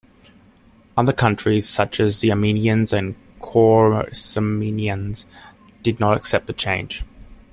Other countries, such as the Armenians and Choresmians, did not accept the change.